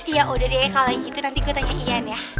iya udah deh kalau gitu nanti gue tanya ian ya